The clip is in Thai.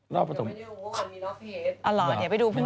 ก็ไปดูว่ามีคำว่าพริเธอ